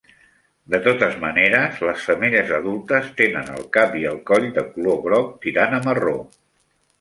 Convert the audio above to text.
De totes maneres, les femelles adultes tenen el cap i el coll de color groc tirant a marró.